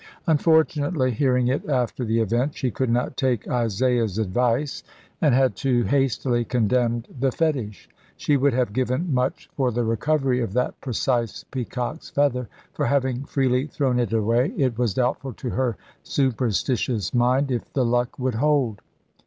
Unfortunately, hearing it after the event, she could not take Isaiah's advice, and had too hastily condemned the fetish. She would have given much for the recovery of that precise peacock's feather, for, having freely thrown it away, it was doubtful to her superstitious mind if the luck would hold.